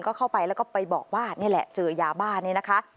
ก็เข้าไปแล้วก็ไปบอกว่านี่แหละเจอยาบ้านี่นะคะ